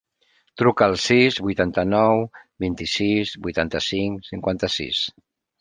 Truca al sis, vuitanta-nou, vint-i-sis, vuitanta-cinc, cinquanta-sis.